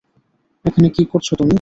এখানে কী করছ তুমি?